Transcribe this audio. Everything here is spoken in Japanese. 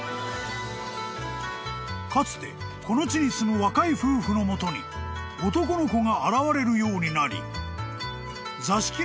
［かつてこの地に住む若い夫婦のもとに男の子が現れるようになり］